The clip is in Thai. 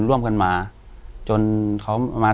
ร่วมกันมาจนเขามา